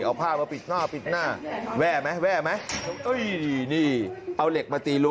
เอาผ้ามาปิดหน้าปิดหน้าแว่ไหมแว่ไหมเอ้ยนี่เอาเหล็กมาตีรั้